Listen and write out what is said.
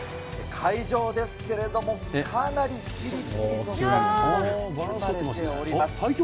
会場ですけれども、かなりぴりぴりとしたムードに包まれております。